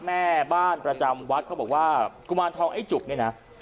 แม่บ้านประจำวัดเขาบอกว่ากุมารทองไอ้จุกเนี่ยนะ